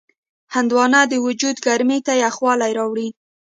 هندوانه د وجود ګرمۍ ته یخوالی راولي.